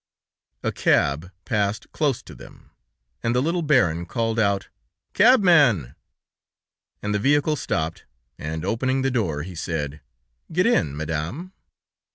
A cab passed close to them, and the little Baron called out: "Cabman!" and the vehicle stopped, and opening the door, he said: "Get in, Madame."